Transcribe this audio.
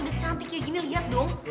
udah cantik kayak gini lihat dong